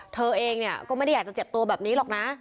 เธอเองเนี่ยก็ไม่ได้อยากจะเจ็บตัวแบบนี้หรอกนะ